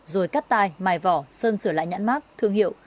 rồi cắt tai mài vỏ sơn sửa lại nhãn mát thương hiệu